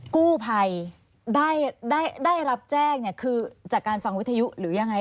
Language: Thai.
กู้ภัยได้รับแจ้งเนี่ยคือจากการฟังวิทยุหรือยังไง